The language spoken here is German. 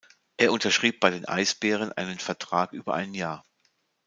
Er unterschrieb bei den Eisbären einen Vertrag über ein Jahr.